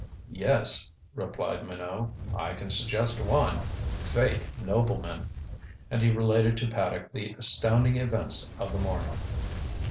"Yes," replied Minot. "I can suggest one. Fake noblemen." And he related to Mr. Paddock the astounding events of the morning.